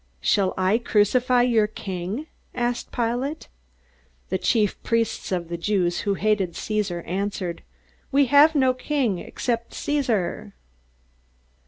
"Shall I crucify your king?" asked Pilate. The chief priests of the Jews, who hated Caesar, answered, "We have no king except Caesar!"